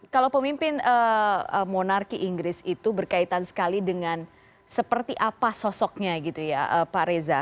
kalau pemimpin monarki inggris itu berkaitan sekali dengan seperti apa sosoknya gitu ya pak reza